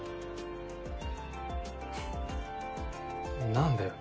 何だよ。